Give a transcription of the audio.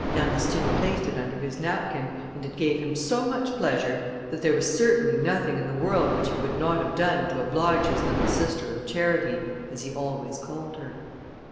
Ernestine placed it under his napkin, and it gave him so much pleasure, that there was certainly nothing in the world which he would not have done to oblige his little sister of charity, as he always called her.